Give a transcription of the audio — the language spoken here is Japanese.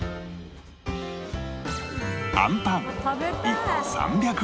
あんパン１個３００円